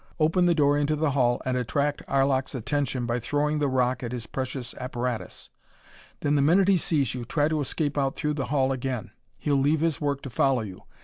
Open the door into the hall and attract Arlok's attention by throwing the rock at his precious apparatus. Then the minute he sees you, try to escape out through the hall again. He'll leave his work to follow you.